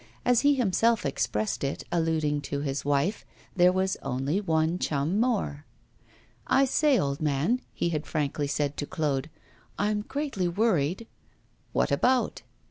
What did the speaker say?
As he himself expressed it, alluding to his wife, there was only one chum more. 'I say, old man,' he had frankly said to Claude, 'I'm greatly worried ' 'What about?